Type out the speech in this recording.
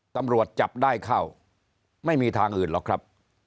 ตำรวจจับได้เข้าไม่มีทางอื่นหรอกครับ